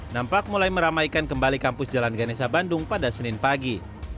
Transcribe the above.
nampak mulai meramaikan kembali kampus jalan ganesa bandung pada senin pagi